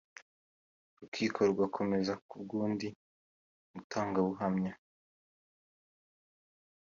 urukiko rugakomereza ku bw’undi mutangabuhamya